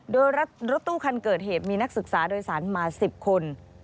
โดยรถตู้คันเกิดเหตุมีนักศึกษาโดยสารมา๑๐คน